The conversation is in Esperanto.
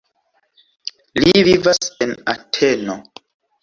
Li vivas en Ateno.